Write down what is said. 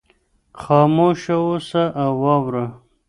خاموشه اوسه او واوره.